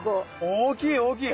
大きい大きい！